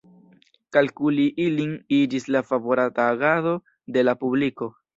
Kalkuli ilin iĝis la favorata agado de la publiko.